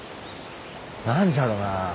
何じゃろな？